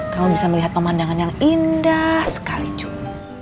kamu bisa melihat pemandangan yang indah sekali cuk